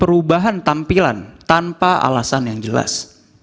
perubahan tampilan tanpa alasan yang jelas